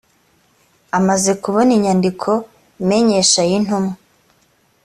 amaze kubona inyandiko imenyesha y intumwa